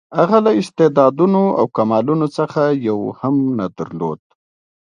هغه له استعدادونو او کمالونو څخه یو هم نه درلود.